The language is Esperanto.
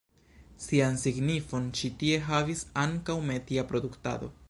Sian signifon ĉi tie havis ankaŭ metia produktado.